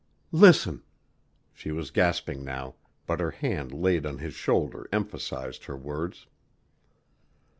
"Listen!" She was gasping now, but her hand laid on his shoulder emphasized her words.